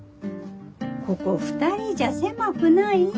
ここ２人じゃ狭くない？